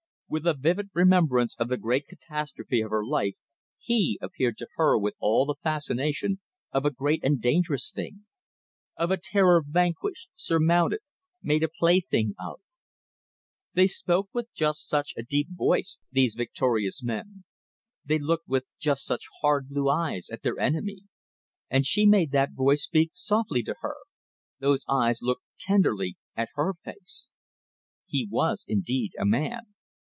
With a vivid remembrance of the great catastrophe of her life he appeared to her with all the fascination of a great and dangerous thing; of a terror vanquished, surmounted, made a plaything of. They spoke with just such a deep voice those victorious men; they looked with just such hard blue eyes at their enemies. And she made that voice speak softly to her, those eyes look tenderly at her face! He was indeed a man.